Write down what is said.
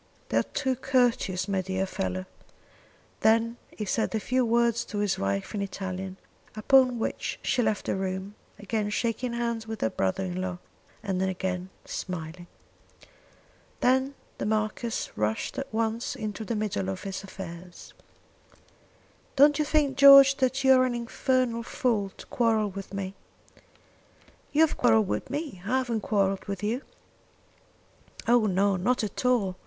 "They are too courteous, my dear fellow." Then he said a few words to his wife in Italian, upon which she left the room, again shaking hands with her brother in law, and again smiling. Then the Marquis rushed at once into the middle of his affairs. "Don't you think George that you are an infernal fool to quarrel with me." "You have quarrelled with me. I haven't quarrelled with you." "Oh no; not at all!